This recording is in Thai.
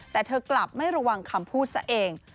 แต่เธอกลับไม่ระวังคำพูดซะเอง